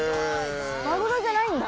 マグロじゃないんだ。